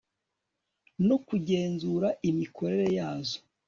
no kugenzura imikorere yazo